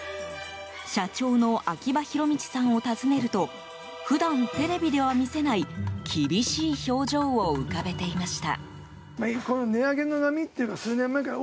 社長の秋葉弘道さんを訪ねると普段テレビでは見せない厳しい表情を浮かべていました。